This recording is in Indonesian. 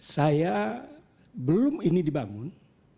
saya belum ini dibangun